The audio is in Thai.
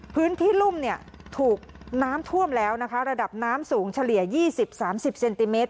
พื้นที่รุ่มเนี่ยถูกน้ำท่วมแล้วนะคะระดับน้ำสูงเฉลี่ย๒๐๓๐เซนติเมตร